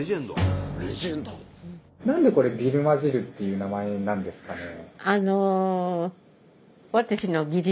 何でこれ「ビルマ汁」っていう名前なんですかね？